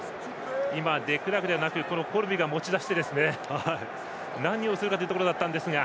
デクラークではなくコルビが持ちだして何をするかというところだったんですが。